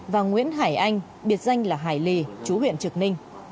và nguyễn hải anh biệt danh là hải lý chú huyện trực ninh